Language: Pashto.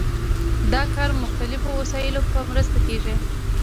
دا کار د مختلفو وسایلو په مرسته کیږي.